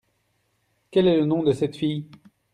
Quel est le nom de cette fille ?